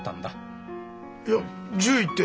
いや獣医って？